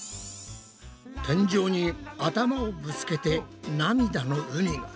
天井に頭をぶつけて涙の海。